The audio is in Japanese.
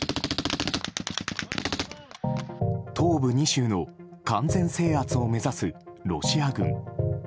東部２州の完全制圧を目指すロシア軍。